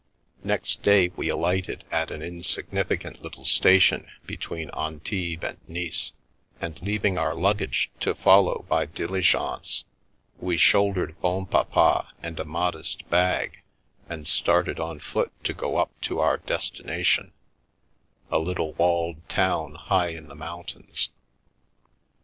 Next day we alighted at an insignificant little station between Antibes and Nice, and leaving our luggage to follow by diligence, we shouldered Bonpapa and a mod est bag, and started on foot to go up to our destination, a little walled town high in the mountains.